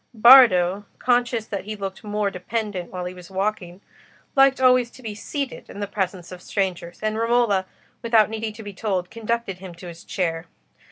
Bardo, conscious that he looked more dependent when he was walking, liked always to be seated in the presence of strangers, and Romola, without needing to be told, conducted him to his chair.